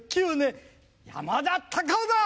山田隆夫だ！